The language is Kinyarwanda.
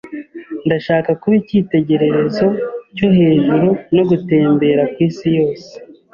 Ndashaka kuba icyitegererezo cyo hejuru no gutembera kwisi yose.